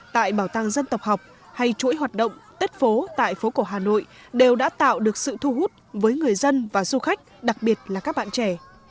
tại bảo tàng dân tộc học hay chuỗi hoạt động tết phố tại phố cổ hà nội đều đã tạo được sự thu hút với người dân và du khách đặc biệt là các bạn trẻ